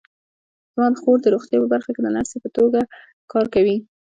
زما خور د روغتیا په برخه کې د نرسۍ په توګه کار کوي